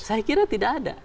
saya kira tidak ada